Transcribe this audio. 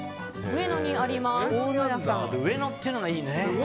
上野っていうのがいいね。